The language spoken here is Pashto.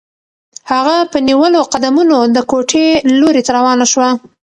هغه په نیولو قدمونو د کوټې لوري ته روانه شوه.